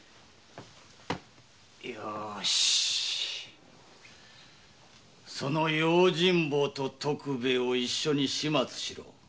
よしその用心棒と徳兵衛を一緒に始末しろ。